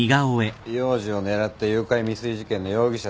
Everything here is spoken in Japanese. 幼児を狙った誘拐未遂事件の容疑者です。